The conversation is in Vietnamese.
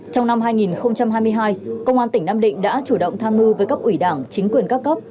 trong năm hai nghìn hai mươi hai công an tỉnh nam định đã chủ động tham mưu với cấp ủy đảng chính quyền các cấp